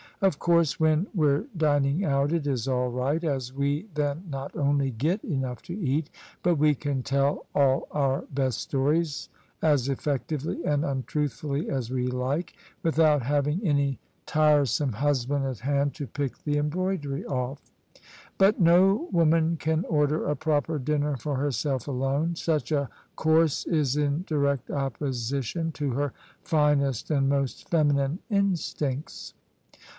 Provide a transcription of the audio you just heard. Of course when we're dining out it is all right: as we then not only get enough to eat, but we can tell all our best stories as effec tively and untruthfully as we like, without having any tire some husband at hand to pick the embroidery off. But no woman can order a proper dinner for herself alone: such a course is m direct opposition to her finest and most feminine instincts